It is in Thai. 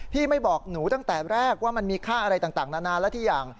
พี่ไม่บอกหนูตั้งแต่แรกว่ามันมีค่าอะไรต่างนานาและทุกอย่าง